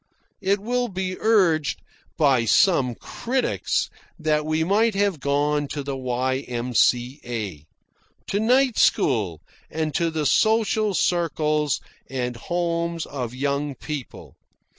It will be urged by some critics that we might have gone to the Y.M.C.A., to night school, and to the social circles and homes of young people.